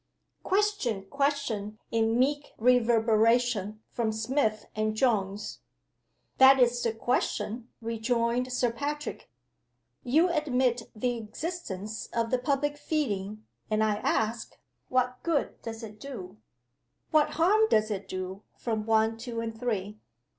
"Question! question!" in meek reverberation, from Smith and Jones. "That is the question," rejoined Sir Patrick. "You admit the existence of the public feeling and I ask, what good does it do?" "What harm does it do?" from One, Two, and Three.